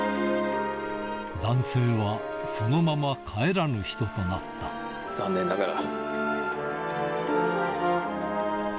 男性はそのまま帰らぬ人となった残念ながら。